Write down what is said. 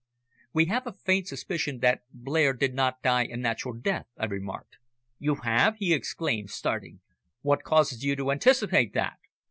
"We have a faint suspicion that Blair did not die a natural death," I remarked. "You have?" he exclaimed, starting. "What causes you to anticipate that?"